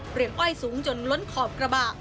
อ้อยสูงจนล้นขอบกระบะ